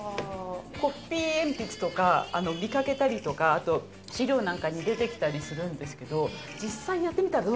コッピー鉛筆とか見かけたりとかあと資料なんかに出てきたりするんですけど。